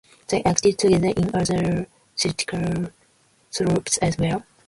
They acted together in other theatrical troupes as well.